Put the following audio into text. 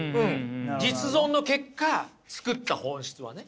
実存の結果作った本質はね。